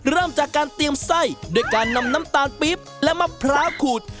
เริ่มจากการเตรียมไส้ด้วยการนำน้ำตาลปิ๊บและมะพร้าวขูด